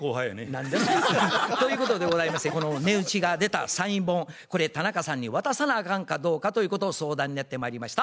何じゃそら。ということでございましてこの値打ちが出たサイン本これ田中さんに渡さなあかんかどうかということを相談にやってまいりました。